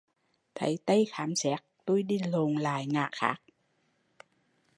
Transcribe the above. Thấy Tây khám xét, tui đi lộn lại ngã khác